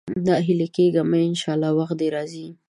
ناهيلی کېږه مه، ان شاءالله وخت دې راځي.